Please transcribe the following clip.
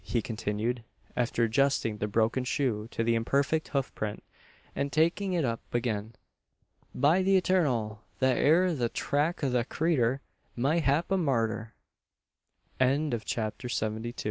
he continued, after adjusting the broken shoe to the imperfect hoof print, and taking it up again. "By the eturnal! that ere's the track o' a creetur mayhap a murderer!" CHAPTER SEVENTY THREE.